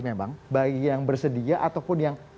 memang baik yang bersedia ataupun yang